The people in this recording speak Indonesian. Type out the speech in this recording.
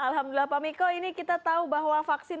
alhamdulillah pak miko ini kita tahu bahwa vaksin